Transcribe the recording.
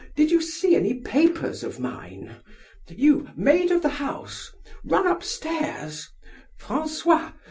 _ did you see any papers of mine?—you maid of the house! run up stairs—_François!